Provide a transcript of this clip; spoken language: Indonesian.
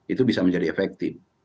itu bisa menjadi efektif